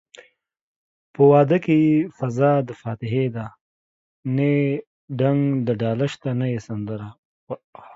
په واده کې يې فضادفاتحې ده نه يې ډنګ دډاله شته نه يې سندره